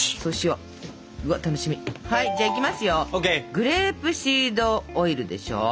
グレープシードオイルでしょう。